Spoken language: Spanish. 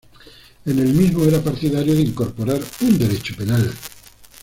En el mismo era partidario de incorporar un derecho penal.